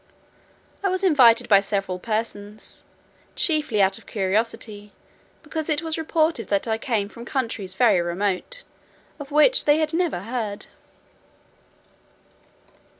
I was invited by several persons, chiefly out of curiosity, because it was reported that I came from countries very remote, of which they had never heard.